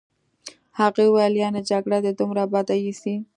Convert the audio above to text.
هغې وویل: یعني جګړه دي دومره بده ایسي.